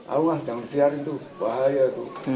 awas jangan siarin tuh bahaya tuh